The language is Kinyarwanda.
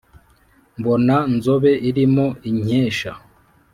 mbona nzobe irimo inkesha